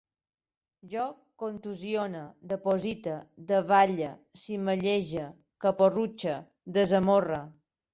Jo contusione, deposite, davalle, cimallege, caporrutxe, desamorre